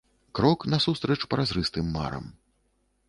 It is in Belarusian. Крок насустрач празрыстым марам.